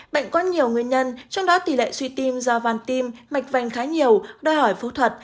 bệnh có nhiều nguyên nhân trong đó tỷ lệ suy tim do van tim mạch vành khá nhiều đòi hỏi phẫu thuật